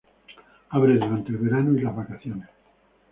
Abre durante el verano y las vacaciones.